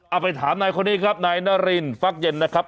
เอาไปถามนายคนนี้ครับนายนารินฟักเย็นนะครับ